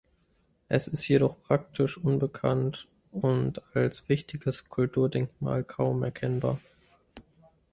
Es ist jedoch praktisch unbekannt und als wichtiges Kulturdenkmal kaum erkennbar.